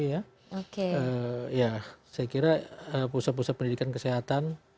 ya saya kira pusat pusat pendidikan kesehatan